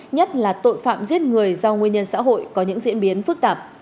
nhất là tội phạm giết người do nguyên nhân xã hội có những diễn biến phức tạp